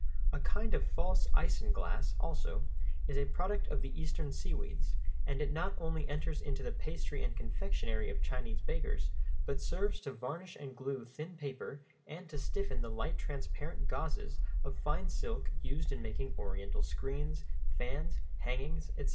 A kind of false isinglass, also, is a product of the Eastern seaweeds, and it not only enters into the pastry and confectionery of Chinese bakers, but serves to varnish and glue thin paper and to stiffen the light transparent gauzes of fine silk used in making Oriental screens, fans, hangings, etc.